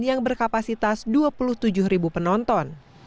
yang berkapasitas dua puluh tujuh ribu penonton